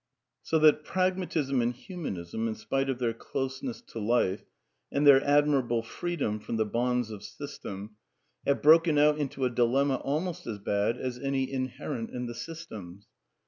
So that Pragmatism and Humanism, in spite of their closeness to life, and their admirable freedom from the bonds of system, have broken out into a dilemma almost as bad as any inherent in the systems.